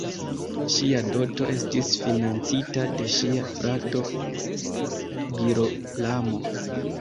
Ŝia doto estis financita de ŝia frato Girolamo.